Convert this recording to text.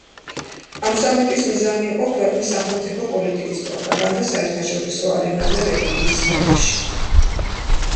ამ სამიტის მიზანი იყო ქვეყნის სახელმწიფო პოლიტიკის პროპაგანდა საერთაშორისო არენაზე რელიგიის სფეროში.